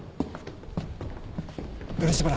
漆原。